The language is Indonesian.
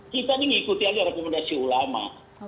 kita nih ngikuti aja rekomendasi ulama